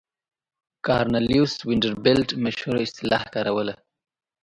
کارنلیوس وینډربیلټ مشهوره اصطلاح کاروله.